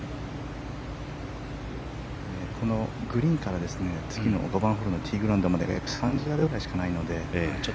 グリーンから次の５番ホールのティーグラウンドまで３０ぐらいしかないので。